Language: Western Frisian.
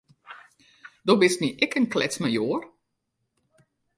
Do bist my ek in kletsmajoar.